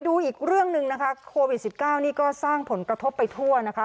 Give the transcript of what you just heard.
ดูอีกเรื่องหนึ่งนะคะโควิด๑๙นี่ก็สร้างผลกระทบไปทั่วนะคะ